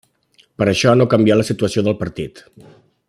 Però això no canvià la situació del partit.